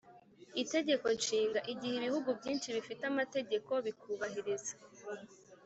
itegeko nshinga. igihe ibihugu byinshi bifite amategeko, bikubahiriza